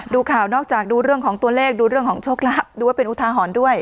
ดูข่าวนอกจากดูเรื่องของตัวเลขดูเรื่องของโชคลาภดูว่าเป็นอุทาหรณ์ด้วย